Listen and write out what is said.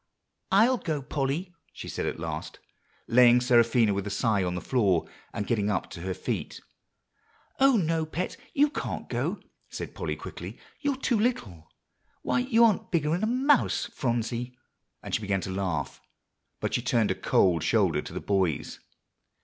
"I'll go, Polly," she said at last, laying Seraphina, with a sigh, on the floor, and getting up to her feet. "Oh, no, Pet! you can't go," said Polly quickly; "you're too little. Why, you aren't bigger'n a mouse, Phronsie;" and she began to laugh, but she turned a cold shoulder to the boys.